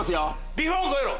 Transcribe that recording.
ビフォーを超えろ！